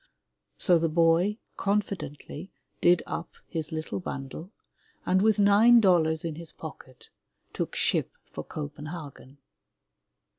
So the boy confidently did up his little bundle, 28 THE LATCH KEY and with nine dollars in his pocket, took ship for Copenhagen.